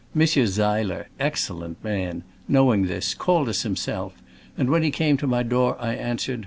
Monsieur Seiler, excellent man ! know ing this, called us him self, and when he came to my door I an swered.